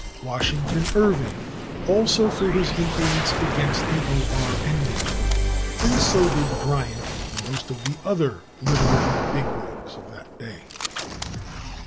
Washington Irving also threw his influence against the / or/ ending, and so did Bryant and most of the other literary big wigs of that day.